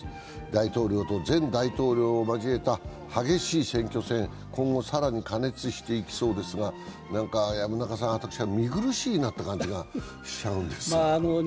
大統領と前大統領を交えた激しい選挙戦、今後さらに過熱していきそうですが、何か私は見苦しいなという感じがしちゃうんですが？